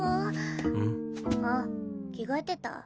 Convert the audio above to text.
あっ着替えてた？